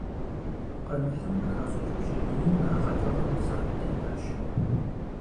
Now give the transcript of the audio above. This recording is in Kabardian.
Къамылым къыхащӀыкӀ бжьамийм а къэкӀыгъэм и цӀэр къытенащ.